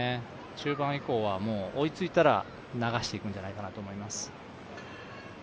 中盤以降は追いついたら流していくんじゃないかなと思います。